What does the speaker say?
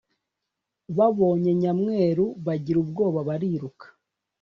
babonye nyamweru bagira ubwoba bariruka